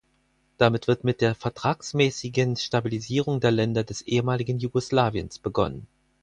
Damit wird mit der vertragsmäßigen Stabilisierung der Länder des ehemaligen Jugoslawiens begonnen.